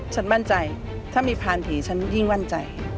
ฉันมั่นใจถ้ามีพานผีฉันยิ่งมั่นใจ